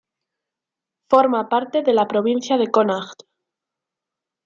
Forma parte de la provincia de Connacht.